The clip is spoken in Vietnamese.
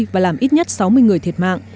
và làm ít nhất sáu mươi người thiệt mạng